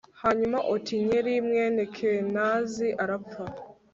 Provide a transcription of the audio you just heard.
hanyuma otinyeli, mwene kenazi, arapfa